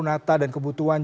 nata dan kebutuhan